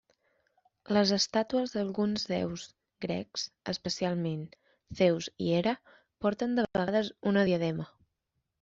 Les estàtues d'alguns déus grecs especialment Zeus i Hera porten de vegades una diadema.